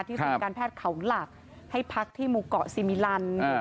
ที่ศูนย์การแพทย์เขาหลักให้พักที่มุกเกาะสิมิรันดิ์อ่า